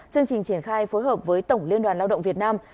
chương trình triển khai phối hợp với tổng liên đoàn lao động việt nam